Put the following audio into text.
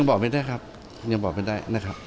บอกไม่ได้ครับยังบอกไม่ได้นะครับ